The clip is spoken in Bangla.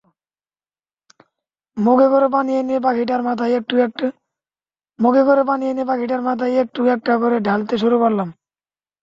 মগে করে পানি এনে পাখিটার মাথায় একটু একটা করে ঢালতে শুরু করলাম।